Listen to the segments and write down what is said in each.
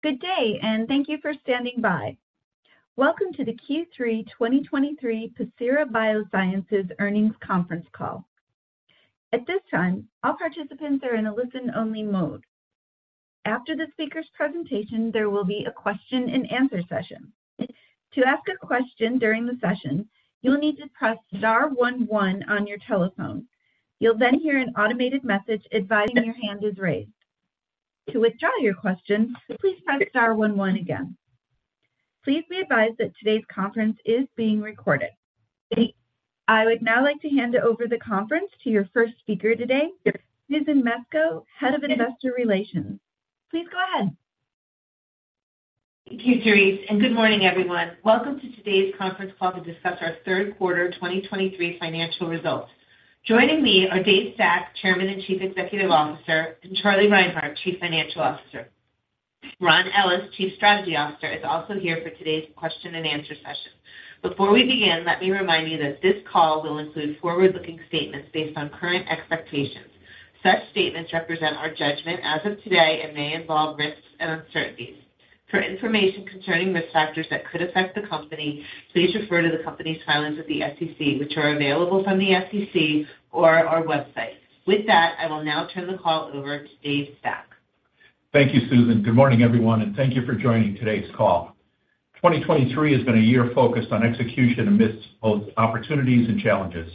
Good day, and thank you for standing by. Welcome to the Q3 2023 Pacira BioSciences Earnings Conference Call. At this time, all participants are in a listen-only mode. After the speaker's presentation, there will be a question-and-answer session. To ask a question during the session, you'll need to press star one one on your telephone. You'll then hear an automated message advising your hand is raised. To withdraw your question, please press star one one again. Please be advised that today's conference is being recorded. I would now like to hand the conference over to your first speaker today, Susan Mesco, Head of Investor Relations. Please go ahead. Thank you, Terese, and good morning, everyone. Welcome to today's conference call to discuss our Third Quarter 2023 Financial Results. Joining me are Dave Stack, Chairman and Chief Executive Officer, and Charlie Reinhart, Chief Financial Officer. Ron Ellis, Chief Strategy Officer, is also here for today's question-and-answer session. Before we begin, let me remind you that this call will include forward-looking statements based on current expectations. Such statements represent our judgment as of today and may involve risks and uncertainties. For information concerning risk factors that could affect the company, please refer to the company's filings with the SEC, which are available from the SEC or our website. With that, I will now turn the call over to Dave Stack. Thank you, Susan. Good morning, everyone, and thank you for joining today's call. 2023 has been a year focused on execution amidst both opportunities and challenges.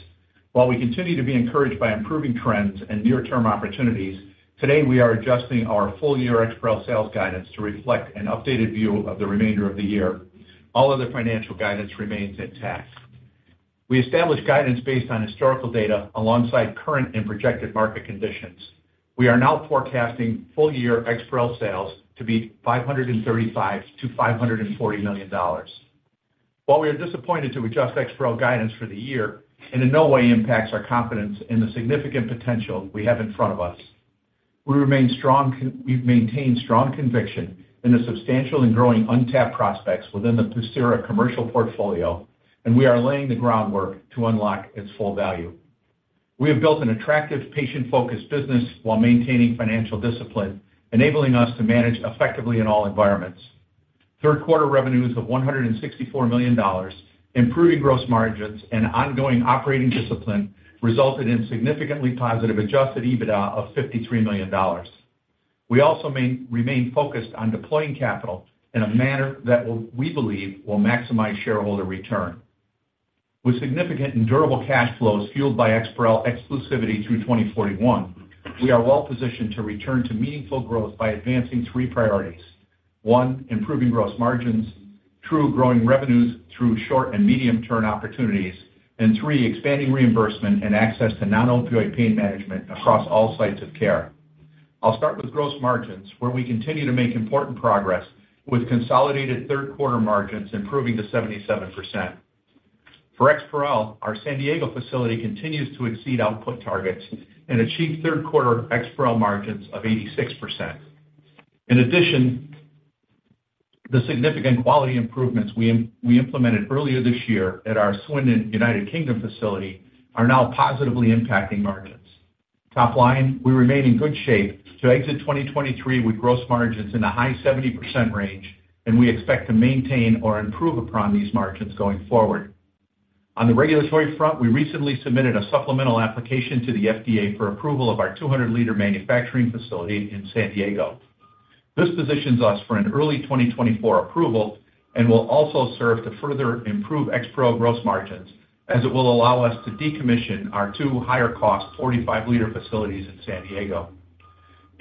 While we continue to be encouraged by improving trends and near-term opportunities, today, we are adjusting our full year EXPAREL sales guidance to reflect an updated view of the remainder of the year. All other financial guidance remains intact. We established guidance based on historical data alongside current and projected market conditions. We are now forecasting full year EXPAREL sales to be $535 million-$540 million. While we are disappointed to adjust EXPAREL guidance for the year, it in no way impacts our confidence in the significant potential we have in front of us. We've maintained strong conviction in the substantial and growing untapped prospects within the Pacira commercial portfolio, and we are laying the groundwork to unlock its full value. We have built an attractive, patient-focused business while maintaining financial discipline, enabling us to manage effectively in all environments. Third quarter revenues of $164 million, improving gross margins, and ongoing operating discipline resulted in significantly positive Adjusted EBITDA of $53 million. We also remain focused on deploying capital in a manner that will, we believe, will maximize shareholder return. With significant and durable cash flows fueled by EXPAREL exclusivity through 2041, we are well positioned to return to meaningful growth by advancing three priorities. One, improving gross margins, two, growing revenues through short and medium-term opportunities, and three, expanding reimbursement and access to non-opioid pain management across all sites of care. I'll start with gross margins, where we continue to make important progress with consolidated third quarter margins improving to 77%. For EXPAREL, our San Diego facility continues to exceed output targets and achieve third quarter EXPAREL margins of 86%. In addition, the significant quality improvements we implemented earlier this year at our Swindon, United Kingdom facility are now positively impacting margins. Top line, we remain in good shape to exit 2023 with gross margins in the high 70% range, and we expect to maintain or improve upon these margins going forward. On the regulatory front, we recently submitted a supplemental application to the FDA for approval of our 200L manufacturing facility in San Diego. This positions us for an early 2024 approval and will also serve to further improve EXPAREL gross margins, as it will allow us to decommission our two higher-cost 45L facilities in San Diego.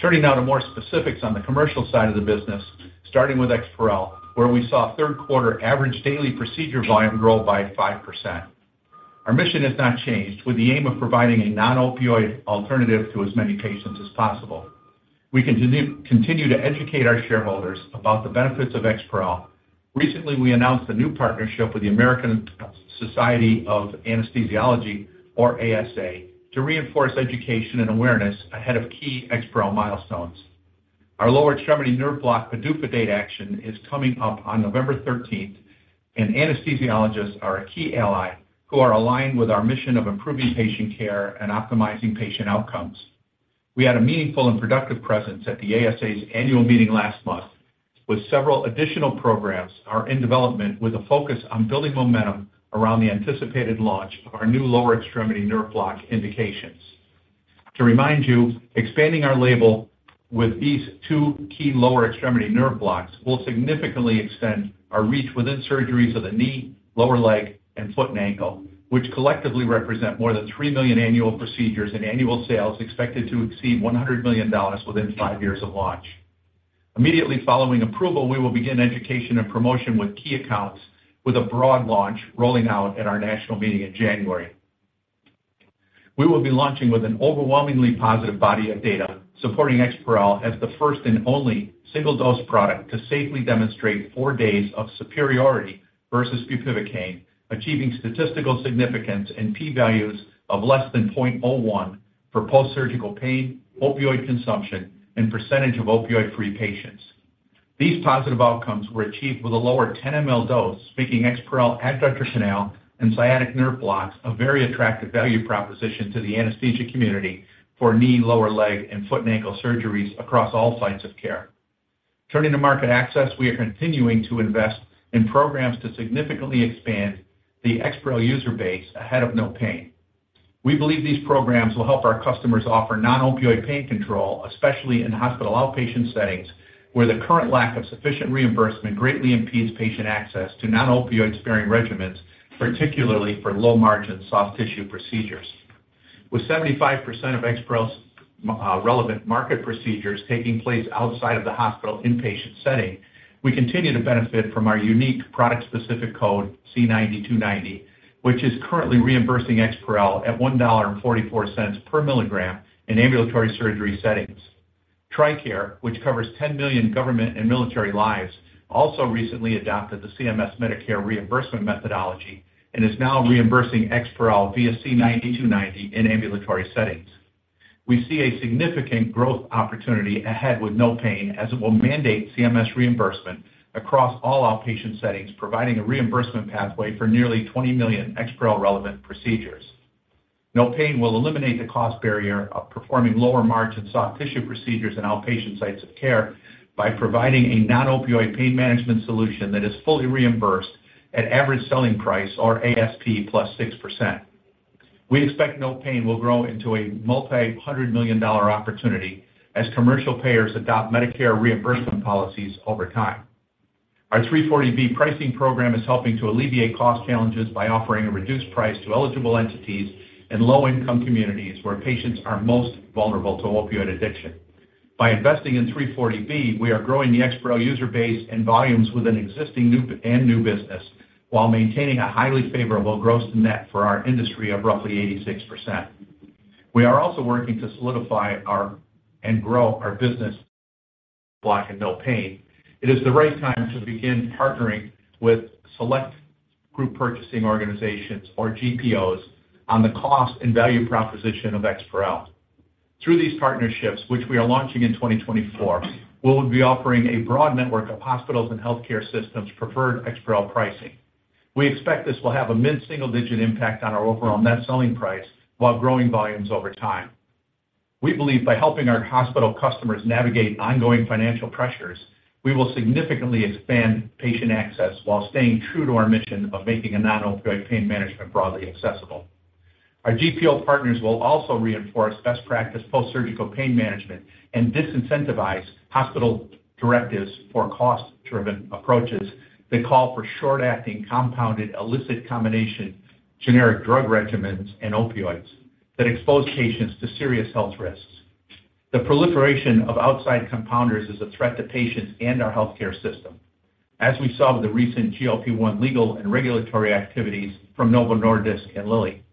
Turning now to more specifics on the commercial side of the business, starting with EXPAREL, where we saw third quarter average daily procedure volume grow by 5%. Our mission has not changed, with the aim of providing a non-opioid alternative to as many patients as possible. We continue to educate our shareholders about the benefits of EXPAREL. Recently, we announced a new partnership with the American Society of Anesthesiologists, or ASA, to reinforce education and awareness ahead of key EXPAREL milestones. Our lower extremity nerve block PDUFA date action is coming up on November thirteenth, and anesthesiologists are a key ally who are aligned with our mission of improving patient care and optimizing patient outcomes. We had a meaningful and productive presence at the ASA's annual meeting last month, with several additional programs are in development, with a focus on building momentum around the anticipated launch of our new lower extremity nerve block indications. To remind you, expanding our label with these two key lower extremity nerve blocks will significantly extend our reach within surgeries of the knee, lower leg, and foot and ankle, which collectively represent more than 3 million annual procedures and annual sales expected to exceed $100 million within five years of launch. Immediately following approval, we will begin education and promotion with key accounts, with a broad launch rolling out at our national meeting in January. We will be launching with an overwhelmingly positive body of data supporting EXPAREL as the first and only single-dose product to safely demonstrate four days of superiority versus bupivacaine, achieving statistical significance and P values of less than 0.01 for postsurgical pain, opioid consumption, and percentage of opioid-free patients. These positive outcomes were achieved with a lower 10 ml dose, making EXPAREL adductor canal and sciatic nerve blocks a very attractive value proposition to the anesthesia community for knee, lower leg, and foot and ankle surgeries across all sites of care. Turning to market access, we are continuing to invest in programs to significantly expand the EXPAREL user base ahead of NOPAIN. We believe these programs will help our customers offer non-opioid pain control, especially in hospital outpatient settings, where the current lack of sufficient reimbursement greatly impedes patient access to non-opioid sparing regimens, particularly for low-margin soft tissue procedures. With 75% of EXPAREL's relevant market procedures taking place outside of the hospital inpatient setting, we continue to benefit from our unique product-specific code, C9290, which is currently reimbursing EXPAREL at $1.44 per milligram in ambulatory surgery settings. TRICARE, which covers 10 million government and military lives, also recently adopted the CMS Medicare reimbursement methodology and is now reimbursing EXPAREL via C9290 in ambulatory settings. We see a significant growth opportunity ahead with NOPAIN, as it will mandate CMS reimbursement across all outpatient settings, providing a reimbursement pathway for nearly 20 million EXPAREL relevant procedures. NOPAIN will eliminate the cost barrier of performing lower margin soft tissue procedures in outpatient sites of care by providing a non-opioid pain management solution that is fully reimbursed at average selling price or ASP +6%. We expect NOPAIN will grow into a $multi-hundred million opportunity as commercial payers adopt Medicare reimbursement policies over time. Our 340B pricing program is helping to alleviate cost challenges by offering a reduced price to eligible entities in low-income communities where patients are most vulnerable to opioid addiction. By investing in 340B, we are growing the EXPAREL user base and volumes within existing and new business, while maintaining a highly favorable gross-to-net for our industry of roughly 86%. We are also working to solidify our and grow our business block and NOPAIN. It is the right time to begin partnering with select group purchasing organizations, or GPOs, on the cost and value proposition of EXPAREL. Through these partnerships, which we are launching in 2024, we will be offering a broad network of hospitals and healthcare systems preferred EXPAREL pricing. We expect this will have a mid-single-digit impact on our overall net selling price, while growing volumes over time. We believe by helping our hospital customers navigate ongoing financial pressures, we will significantly expand patient access while staying true to our mission of making a non-opioid pain management broadly accessible. Our GPO partners will also reinforce best practice post-surgical pain management and disincentivize hospital directives for cost-driven approaches that call for short-acting, compounded, illicit combination, generic drug regimens and opioids that expose patients to serious health risks. The proliferation of outside compounders is a threat to patients and our healthcare system, as we saw with the recent GLP-1 legal and regulatory activities from Novo Nordisk and Lilly.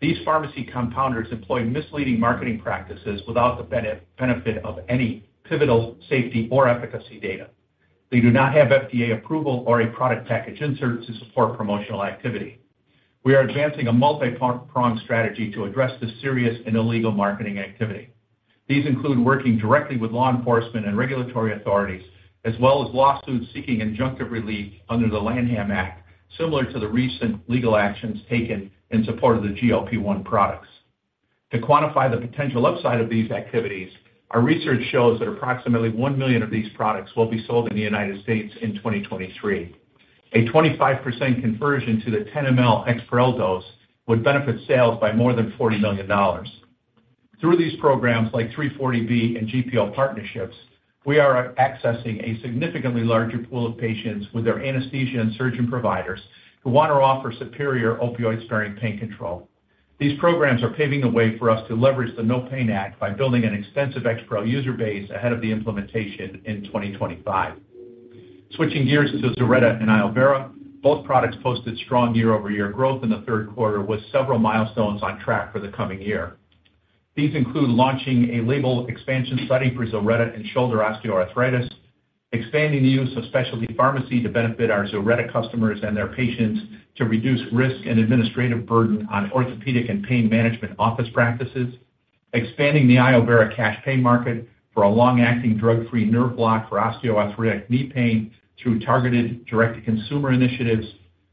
These pharmacy compounders employ misleading marketing practices without the benefit of any pivotal safety or efficacy data. They do not have FDA approval or a product package insert to support promotional activity. We are advancing a multipronged strategy to address this serious and illegal marketing activity. These include working directly with law enforcement and regulatory authorities, as well as lawsuits seeking injunctive relief under the Lanham Act, similar to the recent legal actions taken in support of the GLP-1 products. To quantify the potential upside of these activities, our research shows that approximately 1 million of these products will be sold in the United States in 2023. A 25% conversion to the 10 ml EXPAREL dose would benefit sales by more than $40 million. Through these programs, like 340B and GPO partnerships, we are accessing a significantly larger pool of patients with their anesthesia and surgeon providers who want to offer superior opioid-sparing pain control. These programs are paving the way for us to leverage the NOPAIN Act by building an extensive EXPAREL user base ahead of the implementation in 2025. Switching gears to ZILRETTA and iovera, both products posted strong year-over-year growth in the third quarter, with several milestones on track for the coming year. These include launching a label expansion study for ZILRETTA and shoulder osteoarthritis, expanding the use of specialty pharmacy to benefit our ZILRETTA customers and their patients to reduce risk and administrative burden on orthopedic and pain management office practices. Expanding the iovera cash pay market for a long-acting, drug-free nerve block for osteoarthritic knee pain through targeted direct-to-consumer initiatives.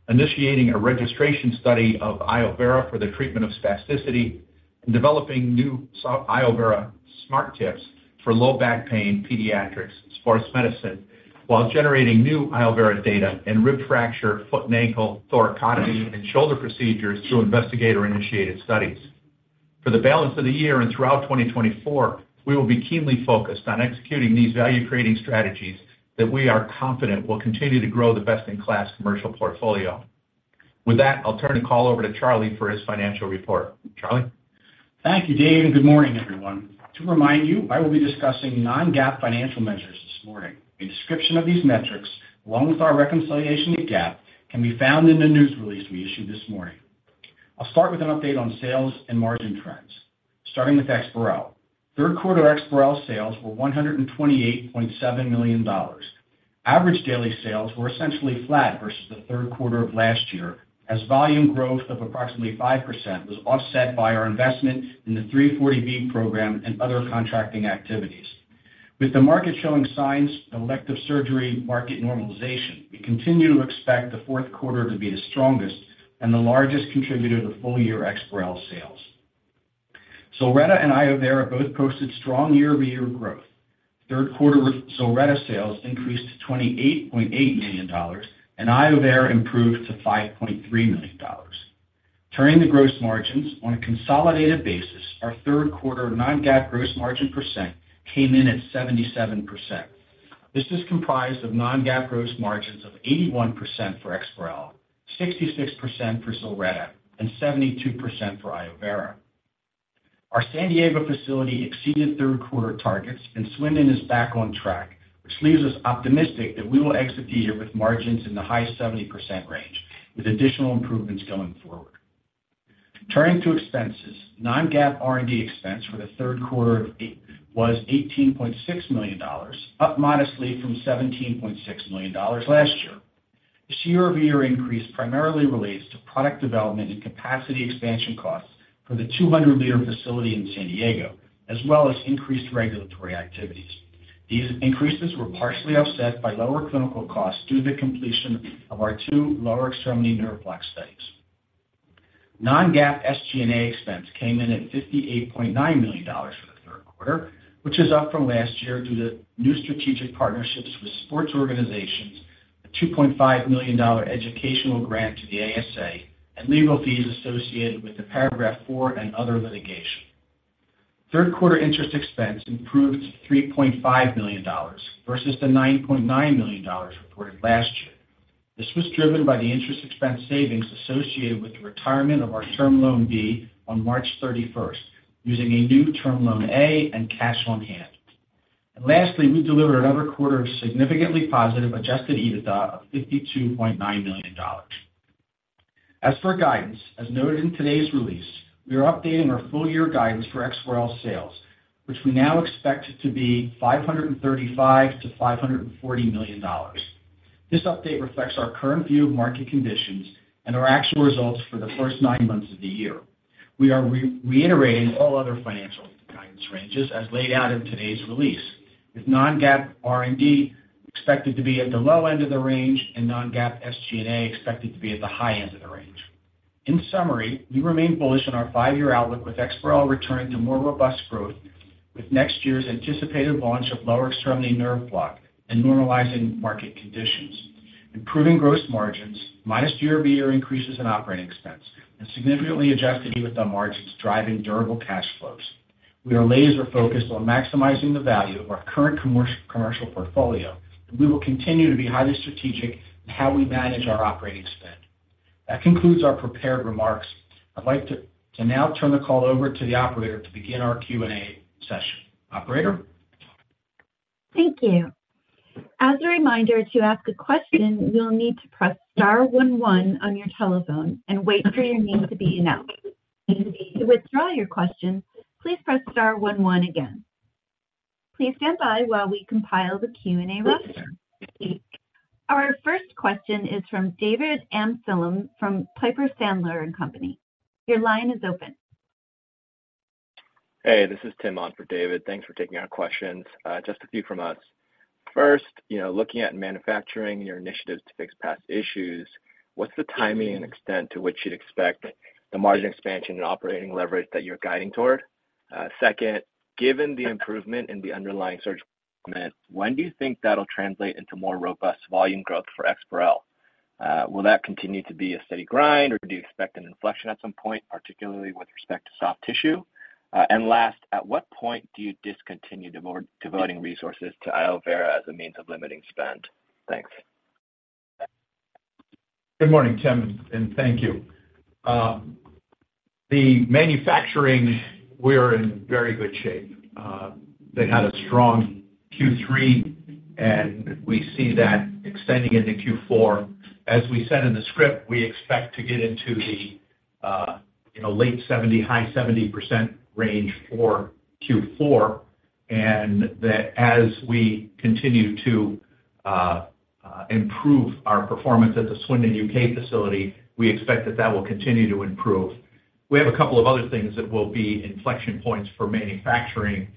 Initiating a registration study of iovera for the treatment of spasticity. And developing new iovera smart tips for low back pain pediatrics, sports medicine, while generating new iovera data and rib fracture, foot and ankle, thoracotomy, and shoulder procedures through investigator-initiated studies. For the balance of the year and throughout 2024, we will be keenly focused on executing these value-creating strategies that we are confident will continue to grow the best-in-class commercial portfolio. With that, I'll turn the call over to Charlie for his financial report. Charlie? Thank you, Dave, and good morning, everyone. To remind you, I will be discussing non-GAAP financial measures this morning. A description of these metrics, along with our reconciliation to GAAP, can be found in the news release we issued this morning. I'll start with an update on sales and margin trends, starting with EXPAREL. Third quarter EXPAREL sales were $128.7 million. Average daily sales were essentially flat versus the third quarter of last year, as volume growth of approximately 5% was offset by our investment in the 340B program and other contracting activities. With the market showing signs of elective surgery market normalization, we continue to expect the Q4 to be the strongest and the largest contributor to full-year EXPAREL sales. ZILRETTA and iovera both posted strong year-over-year growth. Third quarter ZILRETTA sales increased to $28.8 million, and iovera improved to $5.3 million. Turning to gross margins, on a consolidated basis, our third quarter non-GAAP gross margin % came in at 77%. This is comprised of non-GAAP gross margins of 81% for EXPAREL, 66% for ZILRETTA, and 72% for iovera. Our San Diego facility exceeded third quarter targets, and Swindon is back on track, which leaves us optimistic that we will exit the year with margins in the high 70% range, with additional improvements going forward. Turning to expenses, non-GAAP R&D expense for the third quarter of e-- was $18.6 million, up modestly from $17.6 million last year. This year-over-year increase primarily relates to product development and capacity expansion costs for the 200L facility in San Diego, as well as increased regulatory activities. These increases were partially offset by lower clinical costs due to the completion of our two lower extremity nerve block studies. Non-GAAP SG&A expense came in at $58.9 million for the third quarter, which is up from last year due to new strategic partnerships with sports organizations, a $2.5 million educational grant to the ASA, and legal fees associated with the Paragraph IV and other litigation. Third quarter interest expense improved to $3.5 million versus the $9.9 million reported last year. This was driven by the interest expense savings associated with the retirement of our Term Loan B on March 31, using a new Term Loan A and cash on hand. And lastly, we delivered another quarter of significantly positive Adjusted EBITDA of $52.9 million. As for guidance, as noted in today's release, we are updating our full-year guidance for EXPAREL sales, which we now expect to be $535 million-$540 million. This update reflects our current view of market conditions and our actual results for the first nine months of the year. We are reiterating all other financial guidance ranges as laid out in today's release, with non-GAAP R&D expected to be at the low end of the range and non-GAAP SG&A expected to be at the high end of the range. In summary, we remain bullish on our five-year outlook, with EXPAREL returning to more robust growth with next year's anticipated launch of lower extremity nerve block and normalizing market conditions, improving gross margins, minus year-over-year increases in operating expense and significantly Adjusted EBITDA margins driving durable cash flows. We are laser focused on maximizing the value of our current commercial portfolio, and we will continue to be highly strategic in how we manage our operating spend. That concludes our prepared remarks. I'd like to now turn the call over to the operator to begin our Q&A session. Operator? Thank you. As a reminder, to ask a question, you'll need to press star one one on your telephone and wait for your name to be announced. To withdraw your question, please press star one one again. Please stand by while we compile the Q&A roster. Our first question is from David Amsellem from Piper Sandler & Company. Your line is open. Hey, this is Tim on for David. Thanks for taking our questions, just a few from us. First, you know, looking at manufacturing initiatives to fix past issues, what's the timing and extent to which you'd expect the margin expansion and operating leverage that you're guiding toward? Second, given the improvement in the underlying search commitment, when do you think that'll translate into more robust volume growth for EXPAREL? Will that continue to be a steady grind, or do you expect an inflection at some point, particularly with respect to soft tissue? And last, at what point do you discontinue devoting resources to iovera as a means of limiting spend? Thanks. Good morning, Tim, and thank you. The manufacturing, we are in very good shape. They had a strong Q3, and we see that extending into Q4. As we said in the script, we expect to get into the, you know, late 70-high 70% range for Q4, and that as we continue to improve our performance at the Swindon, U.K., facility, we expect that that will continue to improve. We have a couple of other things that will be inflection points for manufacturing.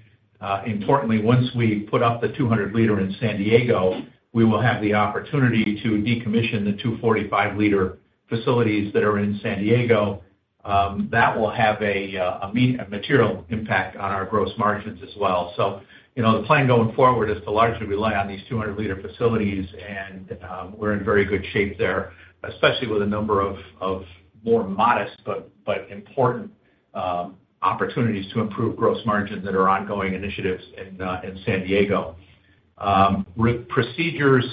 Importantly, once we put up the 200L in San Diego, we will have the opportunity to decommission the two 45L facilities that are in San Diego. That will have a material impact on our gross margins as well. So, you know, the plan going forward is to largely rely on these 200L facilities, and we're in very good shape there, especially with a number of more modest but important opportunities to improve gross margins that are ongoing initiatives in San Diego. With procedures,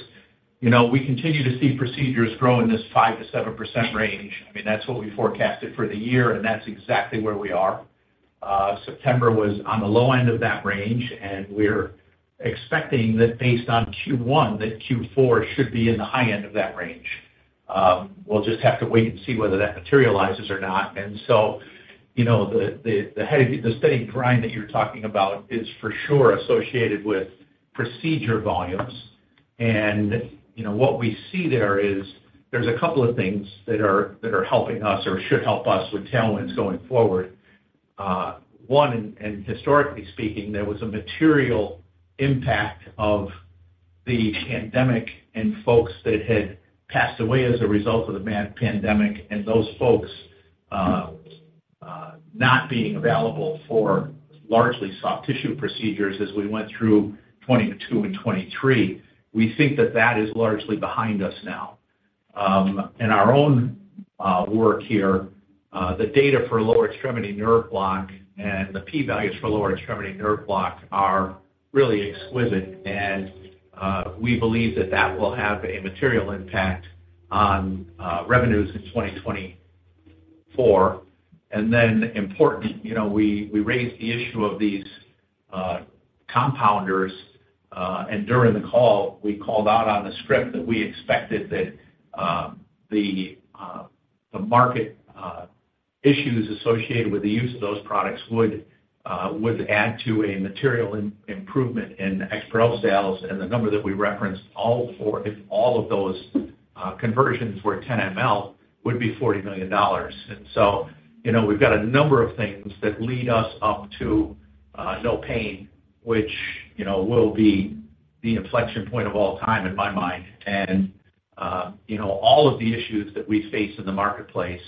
you know, we continue to see procedures grow in this 5%-7% range. I mean, that's what we forecasted for the year, and that's exactly where we are. September was on the low end of that range, and we're expecting that based on Q1, that Q4 should be in the high end of that range. We'll just have to wait and see whether that materializes or not. And so, you know, the steady grind that you're talking about is for sure associated with procedure volumes. You know, what we see there is, there's a couple of things that are helping us or should help us with tailwinds going forward. One, and historically speaking, there was a material impact of... the pandemic and folks that had passed away as a result of the pandemic, and those folks not being available for largely soft tissue procedures as we went through 2022 and 2023, we think that that is largely behind us now. In our own work here, the data for lower extremity nerve block and the p values for lower extremity nerve block are really exquisite, and we believe that that will have a material impact on revenues in 2024. And then important, you know, we raised the issue of these compounders, and during the call, we called out on the script that we expected that the market issues associated with the use of those products would add to a material improvement in EXPAREL sales. The number that we referenced, all for, if all of those conversions were 10 ml, would be $40 million. So, you know, we've got a number of things that lead us up to No Pain, which, you know, will be the inflection point of all time, in my mind. And, you know, all of the issues that we face in the marketplace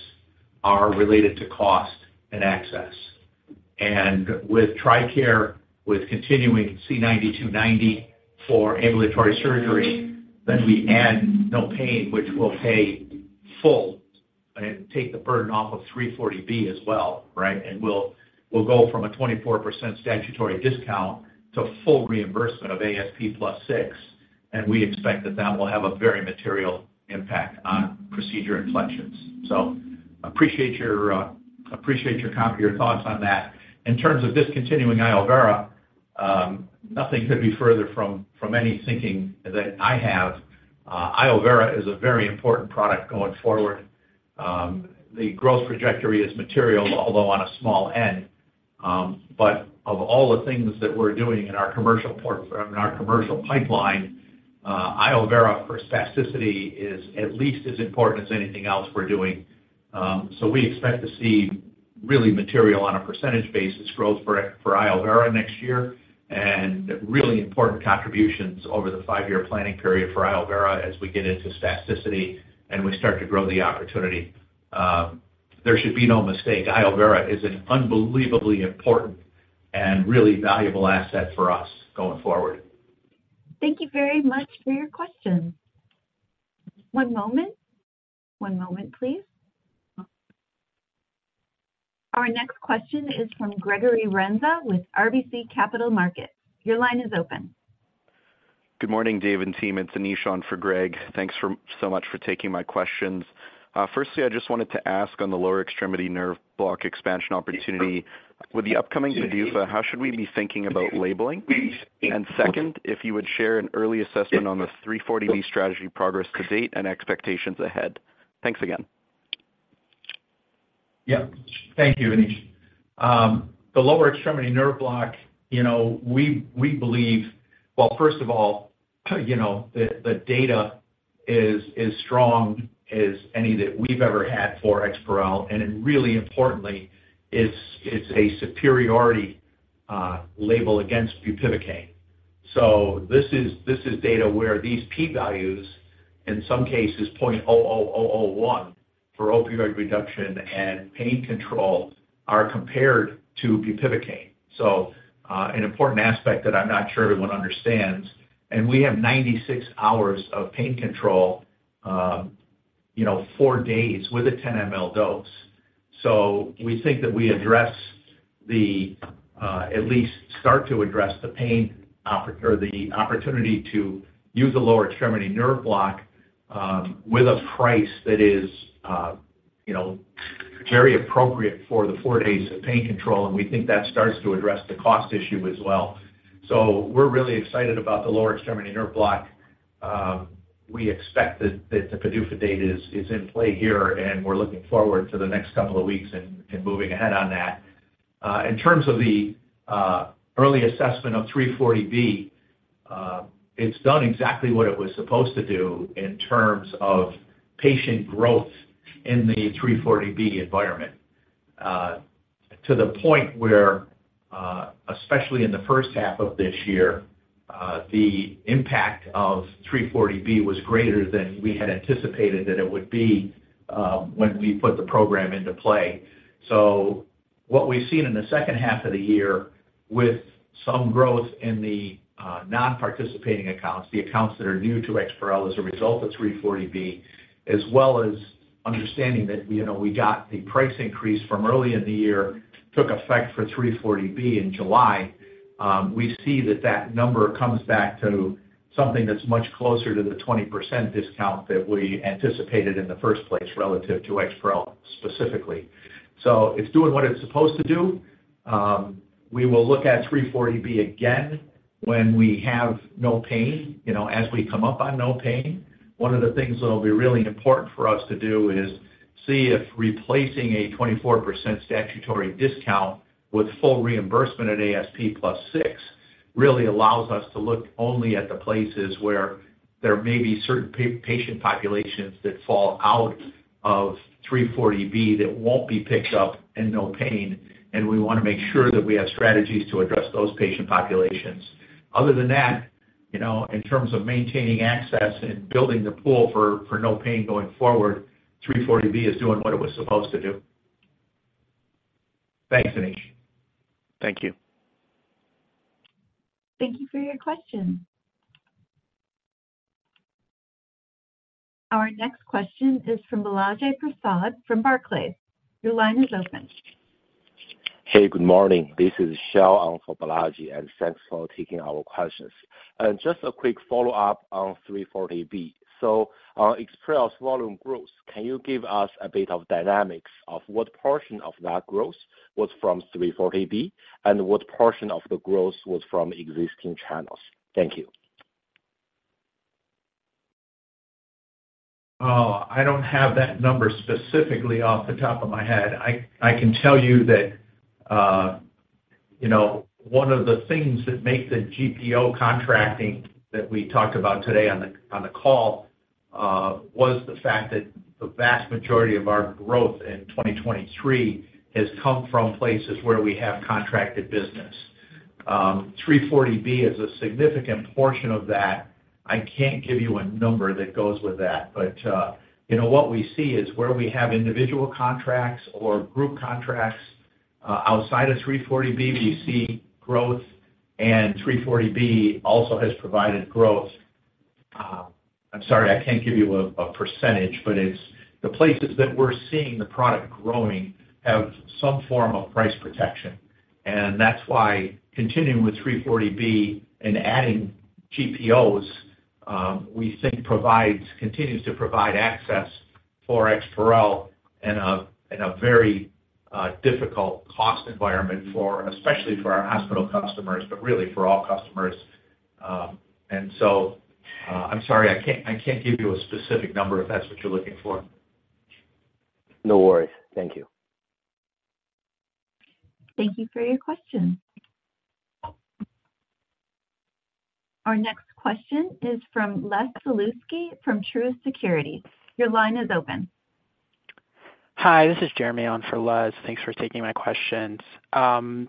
are related to cost and access. And with TRICARE, with continuing C9290 for ambulatory surgery, then we add No Pain, which will pay full and take the burden off of 340B as well, right? And we'll go from a 24% statutory discount to full reimbursement of ASP +6, and we expect that that will have a very material impact on procedure inflections. So appreciate your thoughts on that. In terms of discontinuing iovera, nothing could be further from any thinking that I have. iovera is a very important product going forward. The growth trajectory is material, although on a small end, but of all the things that we're doing in our commercial portfolio in our commercial pipeline, iovera for spasticity is at least as important as anything else we're doing. So we expect to see really material on a percentage basis growth for iovera next year, and really important contributions over the five-year planning period for iovera as we get into spasticity and we start to grow the opportunity. There should be no mistake, iovera is an unbelievably important and really valuable asset for us going forward. Thank you very much for your question. One moment. One moment, please. Our next question is from Gregory Renza with RBC Capital Markets. Your line is open. Good morning, Dave and team. It's Anish on for Greg. Thanks so much for taking my questions. Firstly, I just wanted to ask on the lower extremity nerve block expansion opportunity, with the upcoming PDUFA, how should we be thinking about labeling? And second, if you would share an early assessment on the 340B strategy progress to date and expectations ahead. Thanks again. Yeah. Thank you, Anish. The lower extremity nerve block, you know, we believe. Well, first of all, you know, the data is strong as any that we've ever had for EXPAREL, and it really importantly, it's a superiority label against bupivacaine. So this is data where these p values, in some cases 0.0001, for opioid reduction and pain control, are compared to bupivacaine. So, an important aspect that I'm not sure everyone understands, and we have 96 hours of pain control, you know, four days with a 10 ml dose. So we think that we address the, at least start to address the opportunity to use a lower extremity nerve block, with a price that is, you know, very appropriate for the four days of pain control, and we think that starts to address the cost issue as well. So we're really excited about the lower extremity nerve block. We expect that the PDUFA date is in play here, and we're looking forward to the next couple of weeks and moving ahead on that. In terms of the early assessment of 340B, it's done exactly what it was supposed to do in terms of patient growth in the 340B environment. To the point where, especially in the first half of this year, the impact of 340B was greater than we had anticipated that it would be, when we put the program into play. So what we've seen in the second half of the year with some growth in the non-participating accounts, the accounts that are new to EXPAREL as a result of 340B, as well as understanding that, you know, we got the price increase from early in the year, took effect for 340B in July. We see that that number comes back to something that's much closer to the 20% discount that we anticipated in the first place relative to EXPAREL specifically. So it's doing what it's supposed to do. We will look at 340B again when we have NOPAIN, you know, as we come up on NOPAIN. One of the things that'll be really important for us to do is see if replacing a 24% statutory discount with full reimbursement at ASP + 6%, really allows us to look only at the places where... there may be certain patient populations that fall out of 340B that won't be picked up in NOPAIN, and we wanna make sure that we have strategies to address those patient populations. Other than that, you know, in terms of maintaining access and building the pool for, for NOPAIN going forward, 340B is doing what it was supposed to do. Thanks, Dinesh. Thank you. Thank you for your question. Our next question is from Balaji Prasad from Barclays. Your line is open. Hey, good morning. This is Xiao on for Balaji, and thanks for taking our questions. Just a quick follow-up on 340B. So on EXPAREL volume growth, can you give us a bit of dynamics of what portion of that growth was from 340B, and what portion of the growth was from existing channels? Thank you. I don't have that number specifically off the top of my head. I can tell you that, you know, one of the things that make the GPO contracting that we talked about today on the, on the call, was the fact that the vast majority of our growth in 2023 has come from places where we have contracted business. 340B is a significant portion of that. I can't give you a number that goes with that, but, you know, what we see is where we have individual contracts or group contracts, outside of 340B, we see growth, and 340B also has provided growth. I'm sorry, I can't give you a percentage, but it's the places that we're seeing the product growing have some form of price protection, and that's why continuing with 340B and adding GPOs, we think continues to provide access for EXPAREL in a very difficult cost environment for, especially for our hospital customers, but really for all customers. And so, I'm sorry, I can't give you a specific number if that's what you're looking for. No worries. Thank you. Thank you for your question. Our next question is from Les Sulewskii from Truist Securities. Your line is open. Hi, this is Jeremy on for Les. Thanks for taking my questions.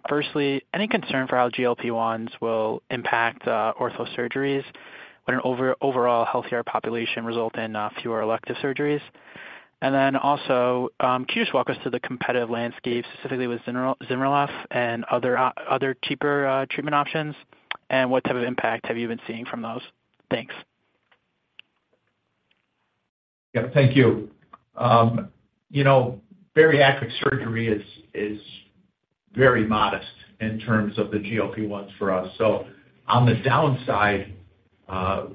Firstly, any concern for how GLP-1s will impact ortho surgeries when an overall healthcare population result in fewer elective surgeries? And then also, can you just walk us through the competitive landscape, specifically with ZYNRELEF and other cheaper treatment options, and what type of impact have you been seeing from those? Thanks. Yeah, thank you. You know, bariatric surgery is very modest in terms of the GLP-1s for us. So on the downside,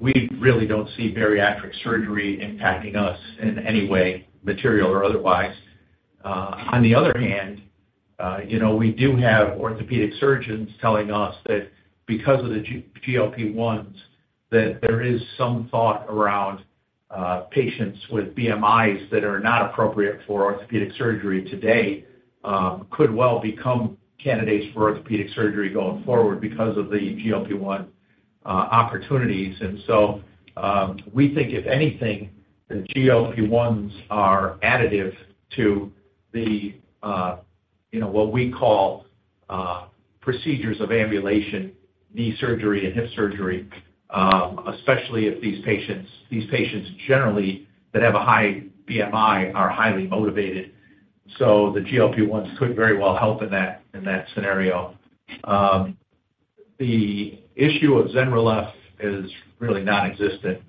we really don't see bariatric surgery impacting us in any way, material or otherwise. On the other hand, you know, we do have orthopedic surgeons telling us that because of the GLP-1s, that there is some thought around patients with BMIs that are not appropriate for orthopedic surgery today, could well become candidates for orthopedic surgery going forward because of the GLP-1 opportunities. And so, we think, if anything, the GLP-1s are additive to the, you know, what we call, procedures of ambulation, knee surgery and hip surgery, especially if these patients generally that have a high BMI are highly motivated. So the GLP-1s could very well help in that scenario. The issue of ZYNRELEF is really nonexistent.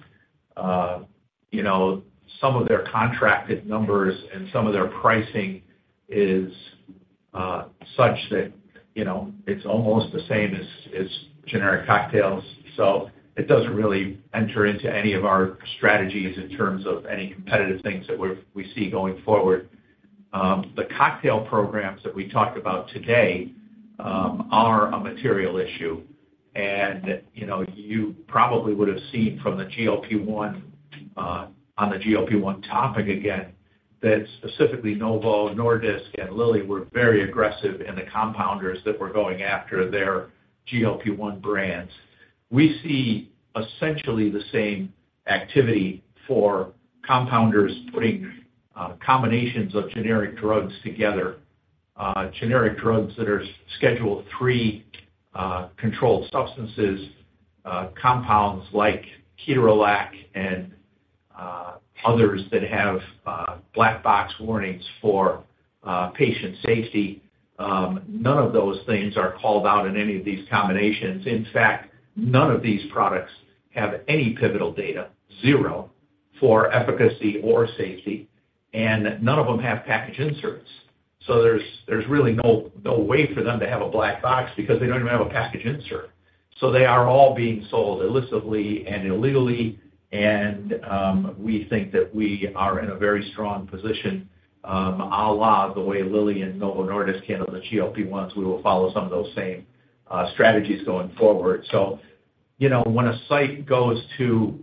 You know, some of their contracted numbers and some of their pricing is such that, you know, it's almost the same as generic cocktails, so it doesn't really enter into any of our strategies in terms of any competitive things that we see going forward. The cocktail programs that we talked about today are a material issue. You know, you probably would have seen from the GLP-1 on the GLP-1 topic again, that specifically Novo Nordisk and Lilly were very aggressive in the compounders that were going after their GLP-1 brands. We see essentially the same activity for compounders putting combinations of generic drugs together, generic drugs that are Schedule III controlled substances, compounds like ketorolac and others that have black box warnings for patient safety. None of those things are called out in any of these combinations. In fact, none of these products have any pivotal data, 0, for efficacy or safety, and none of them have package inserts. So there's really no way for them to have a black box because they don't even have a package insert. So they are all being sold illicitly and illegally, and we think that we are in a very strong position. A la the way Lilly and Novo Nordisk handle the GLP-1s, we will follow some of those same strategies going forward. So, you know, when a site goes to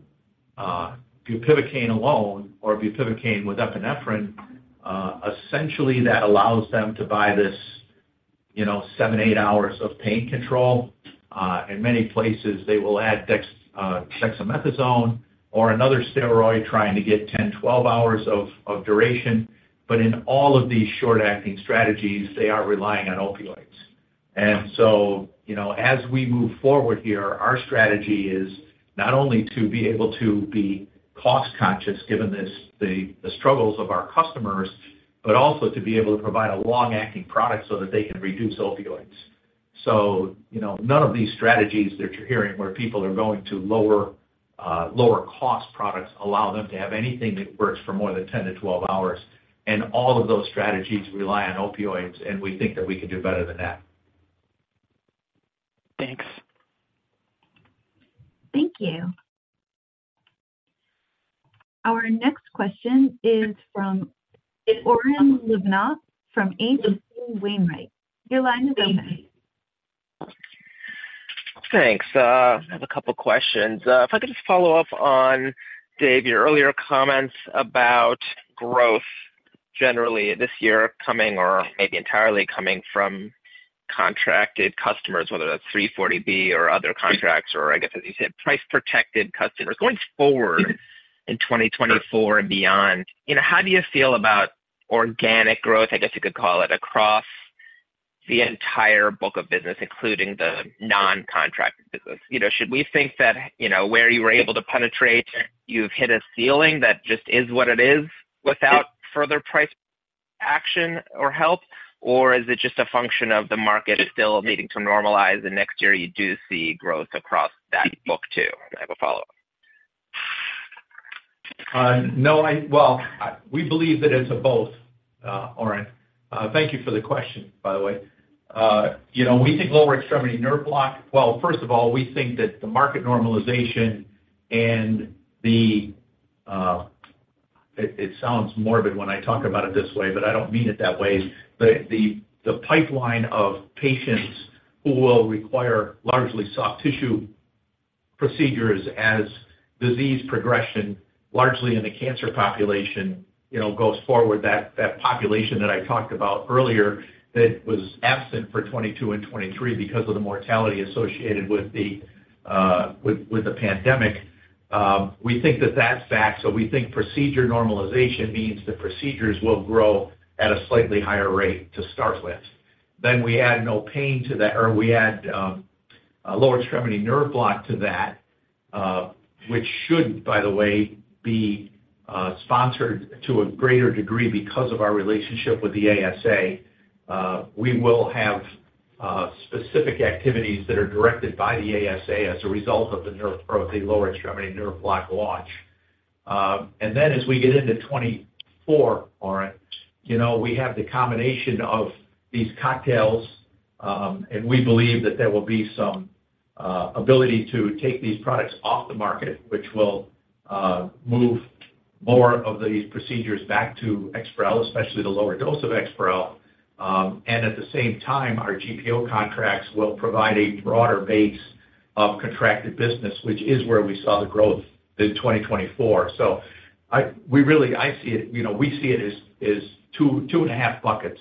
bupivacaine alone or bupivacaine with epinephrine, essentially that allows them to buy this you know, 7, 8 hours of pain control. In many places, they will add dex, dexamethasone or another steroid, trying to get 10-12 hours of duration. But in all of these short-acting strategies, they are relying on opioids. And so, you know, as we move forward here, our strategy is not only to be able to be cost conscious given this, the struggles of our customers, but also to be able to provide a long-acting product so that they can reduce opioids. So, you know, none of these strategies that you're hearing where people are going to lower, lower cost products, allow them to have anything that works for more than 10-12 hours, and all of those strategies rely on opioids, and we think that we can do better than that. Thanks. Thank you. Our next question is from Oren Livnat from H.C. Wainwright. Your line is open. Thanks. I have a couple questions. If I could just follow up on, Dave, your earlier comments about growth generally this year coming or maybe entirely coming from contracted customers, whether that's 340B or other contracts, or I guess, as you said, price protected customers. Going forward in 2024 and beyond, you know, how do you feel about organic growth, I guess, you could call it, across the entire book of business, including the non-contract business? You know, should we think that, you know, where you were able to penetrate, you've hit a ceiling that just is what it is without further price action or help, or is it just a function of the market is still needing to normalize and next year you do see growth across that book, too? I have a follow-up. No, well, I... We believe that it's a both, Oren. Thank you for the question, by the way. You know, we think lower extremity nerve block. Well, first of all, we think that the market normalization and the, it sounds morbid when I talk about it this way, but I don't mean it that way. The pipeline of patients who will require largely soft tissue procedures as disease progression, largely in the cancer population, you know, goes forward, that population that I talked about earlier, that was absent for 2022 and 2023 because of the mortality associated with the pandemic. We think that that's back, so we think procedure normalization means the procedures will grow at a slightly higher rate to start with. Then we add NOPAIN to that, or we add a lower extremity nerve block to that, which should, by the way, be sponsored to a greater degree because of our relationship with the ASA. We will have specific activities that are directed by the ASA as a result of the nerve or the lower extremity nerve block launch. And then as we get into 2024, Oren, you know, we have the combination of these cocktails, and we believe that there will be some ability to take these products off the market, which will move more of these procedures back to EXPAREL, especially the lower dose of EXPAREL. And at the same time, our GPO contracts will provide a broader base of contracted business, which is where we saw the growth in 2024. So we really, I see it, you know, we see it as two, two and a half buckets.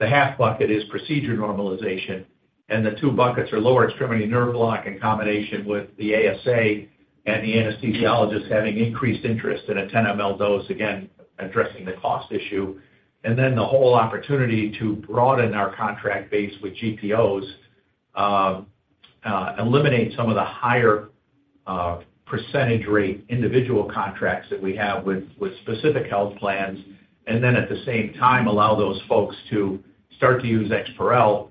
The half bucket is procedure normalization, and the two buckets are lower extremity nerve block in combination with the ASA and the anesthesiologist having increased interest in a 10 mL dose, again, addressing the cost issue. And then the whole opportunity to broaden our contract base with GPOs, eliminate some of the higher percentage rate individual contracts that we have with specific health plans. And then, at the same time, allow those folks to start to use EXPAREL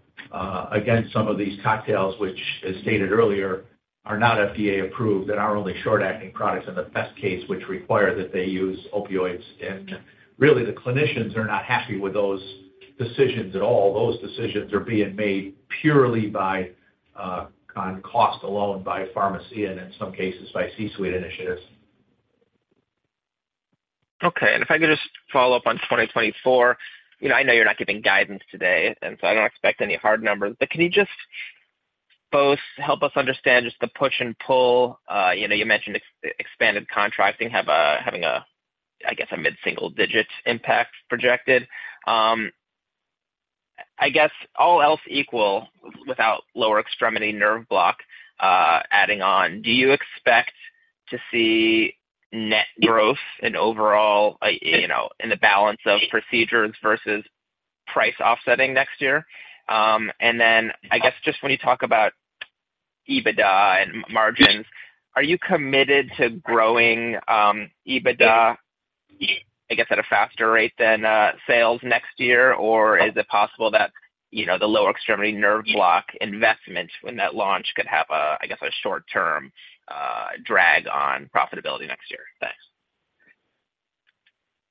against some of these cocktails, which, as stated earlier, are not FDA approved and are only short-acting products in the best case, which require that they use opioids. And really, the clinicians are not happy with those decisions at all. Those decisions are being made purely by, on cost alone, by pharmacy and in some cases, by C-suite initiatives. Okay. And if I could just follow up on 2024. You know, I know you're not giving guidance today, and so I don't expect any hard numbers, but can you just both help us understand just the push and pull? You know, you mentioned expanded contracting having a, I guess, a mid-single digit impact projected. I guess, all else equal, without lower extremity nerve block adding on, do you expect to see net growth in overall, you know, in the balance of procedures versus price offsetting next year? And then I guess just when you talk about EBITDA and margins, are you committed to growing EBITDA, I guess, at a faster rate than sales next year? Or is it possible that, you know, the lower extremity nerve block investment when that launch could have a, I guess, a short-term, drag on profitability next year? Thanks.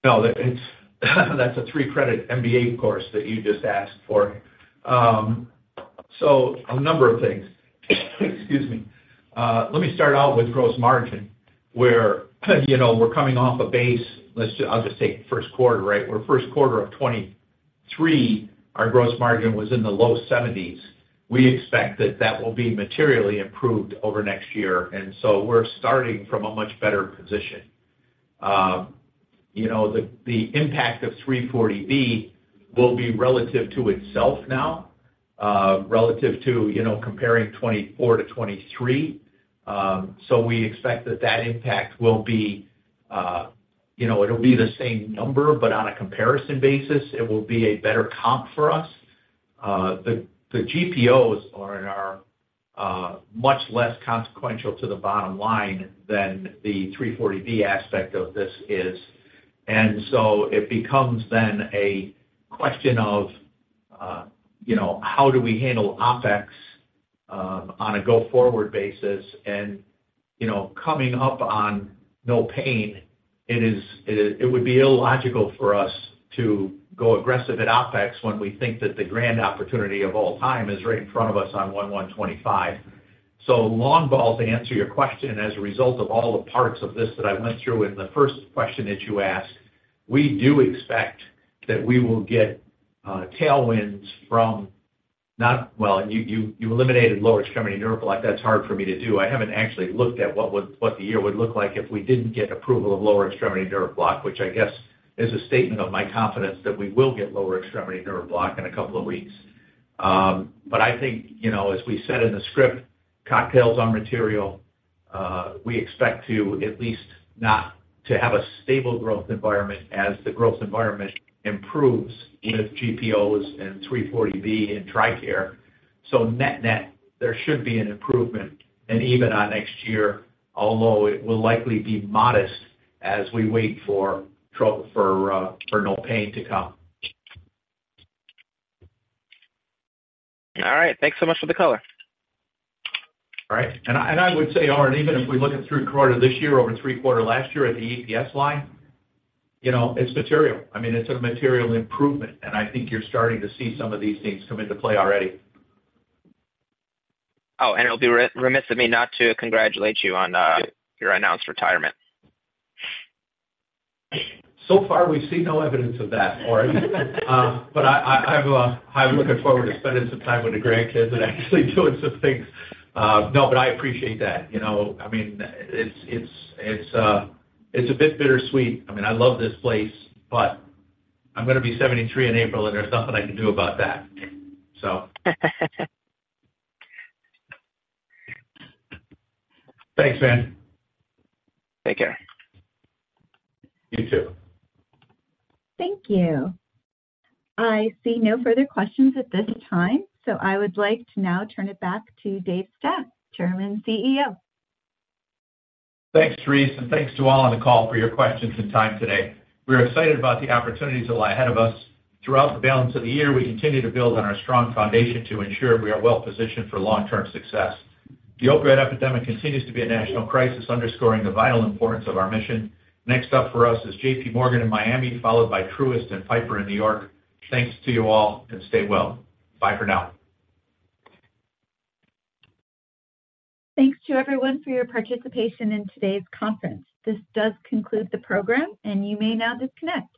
No, it's, that's a 3-credit MBA course that you just asked for. So a number of things. Excuse me. Let me start out with gross margin, where, you know, we're coming off a base, let's just... I'll just take first quarter, right? Where first quarter of 2023, our gross margin was in the low 70s. We expect that that will be materially improved over next year, and so we're starting from a much better position.... You know, the, the impact of 340B will be relative to itself now, relative to, you know, comparing 2024 to 2023. So we expect that, that impact will be, you know, it'll be the same number, but on a comparison basis, it will be a better comp for us. The GPOs are in our much less consequential to the bottom line than the 340B aspect of this is. And so it becomes then a question of, you know, how do we handle OpEx on a go-forward basis? And, you know, coming up on no pain, it is - it would be illogical for us to go aggressive at OpEx when we think that the grand opportunity of all time is right in front of us on 1/1/2025. So long ball, to answer your question, as a result of all the parts of this that I went through in the first question that you asked, we do expect that we will get tailwinds from not... Well, you eliminated lower extremity nerve block. That's hard for me to do. I haven't actually looked at what the year would look like if we didn't get approval of lower extremity nerve block, which I guess is a statement of my confidence that we will get lower extremity nerve block in a couple of weeks. But I think, you know, as we said in the script, cocktails are material. We expect to at least not to have a stable growth environment as the growth environment improves with GPOs and 340B in TRICARE. So net-net, there should be an improvement and even on next year, although it will likely be modest as we wait for NOPAIN to come. All right. Thanks so much for the color. Right. And I would say, Oren, even if we look at three quarters this year over three quarters last year at the EPS line, you know, it's material. I mean, it's a material improvement, and I think you're starting to see some of these things come into play already. Oh, and it'll be remiss of me not to congratulate you on your announced retirement. So far, we've seen no evidence of that, Oren. But I'm looking forward to spending some time with the grandkids and actually doing some things. No, but I appreciate that. You know, I mean, it's a bit bittersweet. I mean, I love this place, but I'm gonna be 73 in April, and there's nothing I can do about that, so. Thanks, man. Take care. You too. Thank you. I see no further questions at this time, so I would like to now turn it back to Dave Stack, Chairman and CEO. Thanks, Reese, and thanks to all on the call for your questions and time today. We are excited about the opportunities that lie ahead of us. Throughout the balance of the year, we continue to build on our strong foundation to ensure we are well positioned for long-term success. The opioid epidemic continues to be a national crisis, underscoring the vital importance of our mission. Next up for us is JPMorgan in Miami, followed by Truist and Piper in New York. Thanks to you all, and stay well. Bye for now. Thanks to everyone for your participation in today's conference. This does conclude the program, and you may now disconnect.